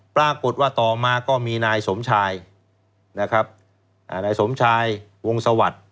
ปรากฏว่าต่อมาก็มีนายสมชายนะครับนายสมชายวงสวัสดิ์